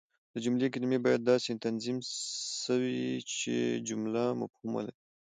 د جملې کلیمې باید داسي تنظیم سوي يي، چي جمله مفهوم ولري.